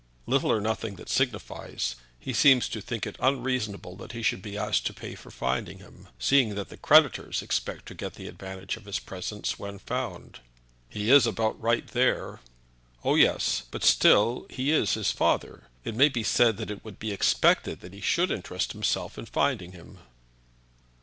"Little or nothing that signifies. He seems to think it unreasonable that he should be asked to pay for finding him, seeing that the creditors expect to get the advantage of his presence when found." "He is about right there." "Oh yes; but still he is his father. It may be that it would be expected that he should interest himself in finding him."